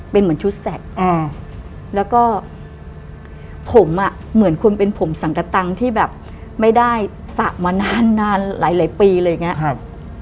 เป็นเหมือนชุดแสกแล้วก็ผมเหมือนคนเป็นผมสังกตังที่แบบไม่ได้ซักมานานหลายปีเลยอย่างนี้